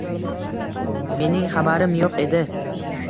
Mening xabarim yoʻq edi.